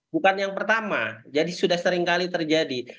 bukan yang pertama jadi sudah seringkali terjadi